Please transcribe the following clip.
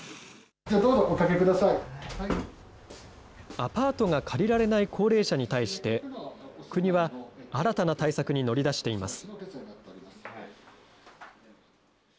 アパートが借りられない高齢者に対して、国は、新たな対策に乗り出しています。